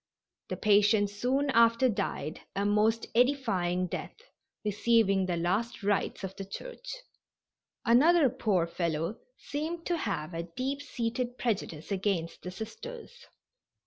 The patient soon after died a most edifying death, receiving the last rites of the Church. Another poor fellow seemed to have a deep seated prejudice against the Sisters.